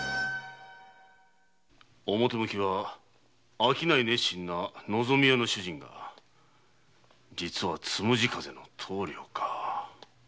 表向きは商い熱心な「のぞみ屋」の主人が実は「つむじ風」の頭領か。